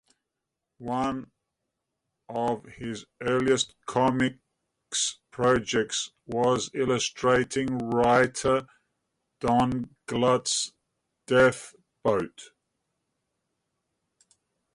One of his earliest comics projects was illustrating writer Don Glut's Death Boat!